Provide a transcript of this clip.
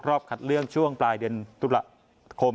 รอบขัดเลื่องช่วงปลายเดือนทุลาคม